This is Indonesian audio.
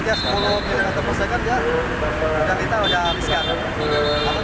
kita sudah sepuluh meter per second kita sudah habiskan